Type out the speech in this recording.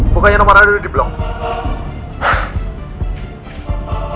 bukannya nomernya udah diblok